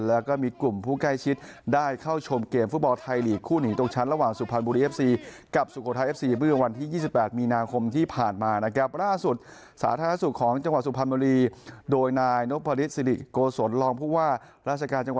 แล้วก็มีกลุ่มผู้ใกล้ชิดได้เข้าชมเกมฟุตบอลไทยลีกคู่หนีตรงชั้น